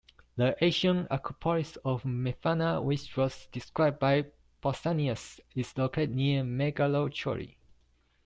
The ancient Acropolis of Methana, which was described by Pausanias, is located near Megalochori.